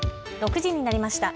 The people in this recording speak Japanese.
６時になりました。